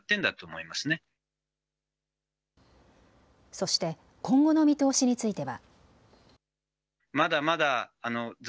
そして今後の見通しについては。